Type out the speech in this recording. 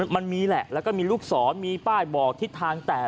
มันมีแหละแล้วก็มีลูกศรมีป้ายบอกทิศทางแต่